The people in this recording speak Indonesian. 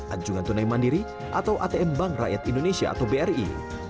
anjungan tunai mandiri atau atm bank rakyat indonesia atau bri